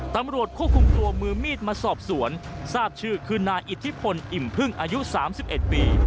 ตำรวจควบคุมตัวมือมีดมาสอบสวนทราบชื่อคือนายอิทธิพลอิ่มพึ่งอายุ๓๑ปี